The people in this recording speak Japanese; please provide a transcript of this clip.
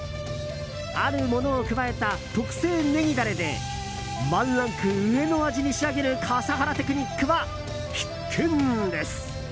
あるものを加えた特製ネギダレでワンランク上の味に仕上げる笠原テクニックは必見です。